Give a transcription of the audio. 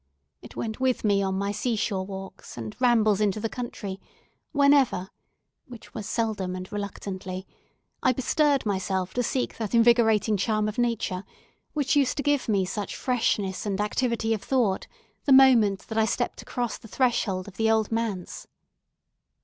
It went with me on my sea shore walks and rambles into the country, whenever—which was seldom and reluctantly—I bestirred myself to seek that invigorating charm of Nature which used to give me such freshness and activity of thought, the moment that I stepped across the threshold of the Old Manse.